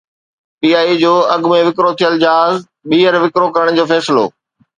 P I A جو اڳ ۾ وڪرو ٿيل جهاز ٻيهر وڪرو ڪرڻ جو فيصلو